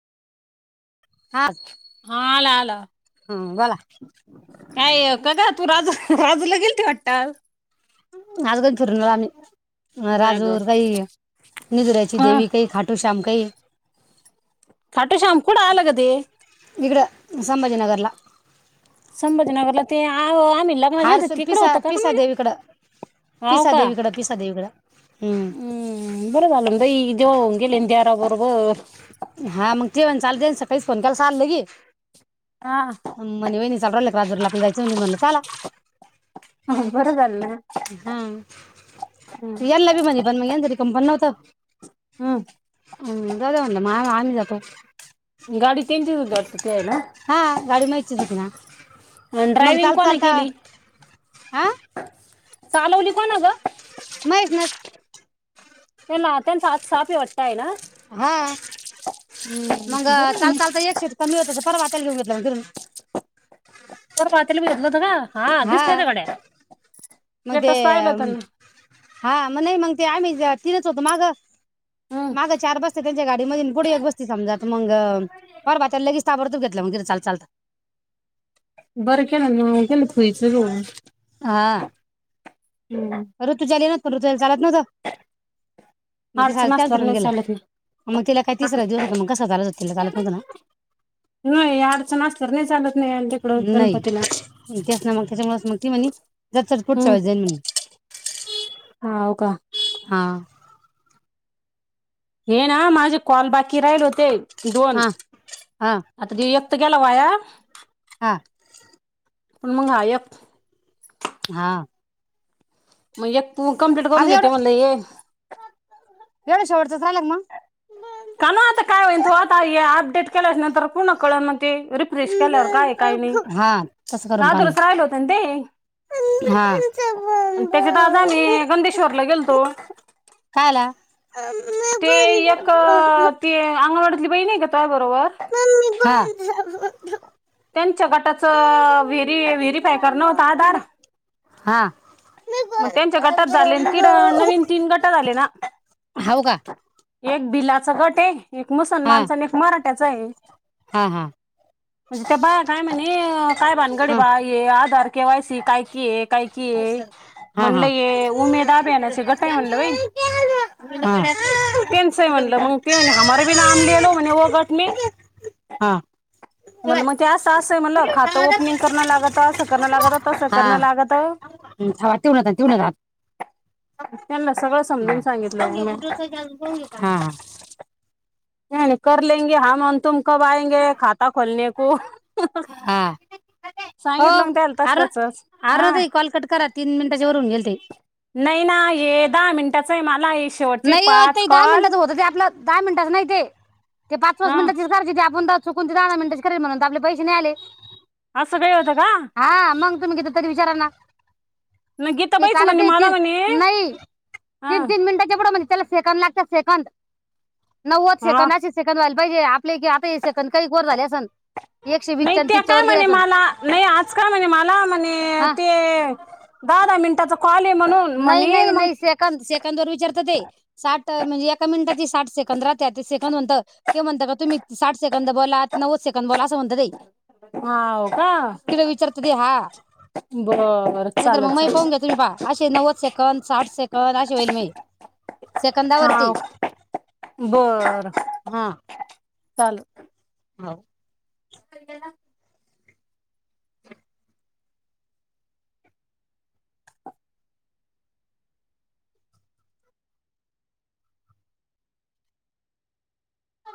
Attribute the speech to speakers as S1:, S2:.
S1: हा
S2: हा आला आला
S1: हम्म बोला
S2: काय का का तू राजू राजूला गेल त वाटत आज
S1: आलो फिरून आलो आम्ही अ
S2: व्हय ग.
S1: राजूर काही निदुऱ्याची
S2: हा
S1: देवी काही खाटू श्याम काही.
S2: खाटू श्याम कुठ आला ग ते.
S1: इकडं संभाजीनगरला.
S2: संभाजीनगरला ते आम्ही लग्ना गेलत
S1: हारसूल
S2: तिकडे
S1: पिसा
S2: होतो का का
S1: पिसा
S2: मग ते.
S1: देवीकडं
S2: हाव
S1: पिसा देेवीकड. पिसा देेवीकड.
S2: हम्म बरं झालं. म्हता देऊन गेले देरा बरोबर.
S1: हा मगतीन चालत तस. काहीच फोन केला सागल की,
S2: हा
S1: म्हणी वहिणी जाबडालेत. राजूरला आपल्या जायचं म्हने, म्हणलं चला.
S2: ह बर झाल ना.
S1: हा
S2: हम्म
S1: याल ना बी म्हणे पण, मग यांना पणं कंपनी न्हवत.
S2: हां.
S1: हम जावू दे म्हनल मा, आम्ही जातो.
S2: गाडी त्याचीच व्हती वाटतं. ती आहे ना?
S1: हा गाडी महेचीचं होती ना.
S2: आण
S1: मग
S2: ड्रायविंग
S1: चालता
S2: कोण केली?
S1: चालता हा
S2: चालवली कोण ग?
S1: माहीत नाई.
S2: त्यानला त्यांचा आ सा पीउ वाटतय ना.
S1: हा मंग
S2: हम्म बरं आहे
S1: चाल
S2: मग.
S1: चालतय, एक शीट कमी होती परवा त्याला घेऊन गेलतो. लाग
S2: पार पातेल बी धुतलं का? हा दिसलं त गड्या
S1: मग ते,
S2: स्टेटस पाहिलं होतं ना.
S1: हा म नही मग ते आम्ही तिघच होतो मागं. मागं
S2: हम्म
S1: चार बसत्या त्यांच्या गाडी मधी आन पुढं एक बस्ती समजात मंग. पर बा, त्याला लगेच ताबडतोब घेतलं, मग चाल चालत.
S2: बरं केलं न्हव, गलत व्हायचं [unintelligible]
S1: ऋतूजाले येन व्हत पण, ऋतुजाले चालत नव्हतं, मग ते
S2: अडचण
S1: सारंच कॅन्सल
S2: असल्यावर
S1: होऊन
S2: नाही
S1: गेलं.
S2: चालत नाही
S1: मग तिला काय
S2: हा,
S1: तिसरा दिवस होता मग कसं करायचं? चालत होत तिला, चालत नव्हतं ना.
S2: नाही अडचण असल्यावर नाही चालत. नाही तिकडं गणपतीला
S1: नही तेच ना, मग तेच्यामुळच मग ती म्हणे, जात्सल पुढच्या वेळीस जाईन म्हणे.
S2: हा ओ का.
S1: हा.
S2: हे ना. माझे कॉल बाकी राहिले होते दोन
S1: हा हा
S2: आता तो एक. तर गेला वाया.
S1: हा.
S2: पण मग हा एक.
S1: हा.
S2: म्हणजे कंप्लीट करून घेते म्हणल एक.
S1: एवढ शेवटचाच रायला का मग.
S2: का ना आता. काय होईन. त आता अपडेट केल्या नंतर पूर्ण कळन मग ते रिप्रिश केल्यावर काय-काय.
S1: हा. तसं करून पान
S2: आधुरच राहील व्हत ना ते.
S1: हा
S2: अन् त्याच्यात आज आम्ही गंदेश्वरला गेलतो.
S1: कायला.
S2: ते या ते अंगणवाडी्तली बाई नई का त्वा बरोबर. त्यांच्या गटाचं व्हेरी व्हेरीफाय करणं होत आधार
S1: हा.
S2: मग त्यांच्या गटात झाले. तिकड नवीन तीन गट झाले ना.
S1: हाव का
S2: एक भिलाचा गट ये. एक
S1: हा
S2: मुसलमानचा आणि एक मराठ्याचा आहे.
S1: हा हा
S2: म्हनजे त्या बाय काय म्हणे. काय भानगड ये
S1: हा
S2: बा आधार. केवायसी काय कि आहे काय की ये
S1: हा हा
S2: म्हणलं
S1: [inaudible]
S2: उमेद अभियानाचे गट आहे म्हणलं बाई त्यांचं आहे म्हणलं मग ते म्हणे हमारे भी नाम ले लो म्हणे वो गट
S1: हा हा
S2: मनलं म ते असं असंय मनल खातं ओपनिंग करण लागत असं करण लागत तसं करणं लागत
S1: [unintelligible] [inaudible]
S2: त्यांना सगळं
S1: हा
S2: समजून सांगितलं मग मी
S1: [unintelligible] हा हा
S2: नाही म्हणे करले गे आम तुम कब आयंगे खाता खोलने को
S1: हा
S2: सांगितलं
S1: हो
S2: मग त्याल
S1: अर
S2: तसतचच हा
S1: अरे ताई कॉल कट करा तीन मिनिटाच्या वरून गेल ते
S2: नई ना हे दहा मिनटाच ये
S1: नइ व ते दहा मिनिटाच होत ते आपलं दहा मिनटच नई ते ते पाच पाच
S2: हा
S1: मिनटाचीच करायची ते आपुन [unintelligible] चुकून ते दहा दा मिनट करेल मनून तर आपले पैसे नई आले
S2: असं काही होतं का
S1: तुमि घेतलं तरी विचारांना
S2: मग
S1: ते
S2: गीताबाईच
S1: काल
S2: म्हणे
S1: ते नाही
S2: मला म्हणे
S1: नई
S2: हा
S1: तीन तीन मिनिटा पुढं म्हणजे त्याला सेकंद लागत्या सेकंद नव्वद
S2: हा
S1: सेकंद आशे सेकंद व्हायला पाहिजे आपले एक हे सेकंद कैक वर झालं आसन
S2: नाही त्या काय म्हणे मला नाही आज काय म्हणे मला म्हणे
S1: हा
S2: ते दहा दा मिनटाचां कॉल आहे म्हणून
S1: नाही
S2: म्हणे
S1: नाही
S2: मग
S1: नाही सेकंद सेकंद वर विचारत ते साठ म्हणजे एका मिनिटाची साठ सकंदरा तेतीस त म्हण ते म्हणत का तुम्ही साठ सेकंद बोला नव्वद सेकंद बोला असं म्हणत ते-
S2: हाव का
S1: तिला विचारतो दे हा
S2: बर
S1: नाही तरर
S2: चालेल
S1: मग माही
S2: चालेल
S1: पाहून घ्या तुम्ही पाहा नव्वद सेकड साठ सेकड असे होईल मी
S2: हा
S1: सेकंदावरती
S2: बर
S1: हा
S2: चालू
S1: हो
S2: गेला